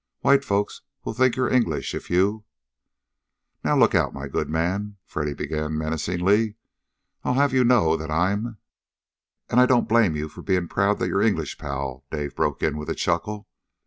"White folks will think you're English, if you " "Now, look out, my good man!" Freddy began menacingly. "I'll have you know that I'm " "And I don't blame you for being proud that you're English, pal," Dave broke in with a chuckle.